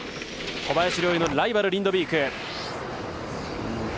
小林陵侑のライバルリンドビーク。